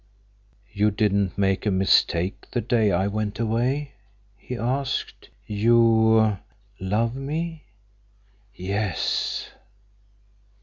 "You didn't make a mistake the day I went away?" he asked. "You—love me?" "Yes."